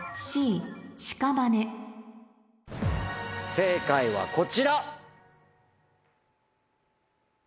正解はこちら。